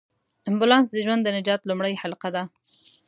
امبولانس د ژوند د نجات لومړۍ حلقه ده.